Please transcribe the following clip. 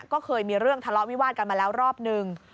ก็เคยมีเรื่องทะเลาะวิวาดกันมาแล้วรอบนึง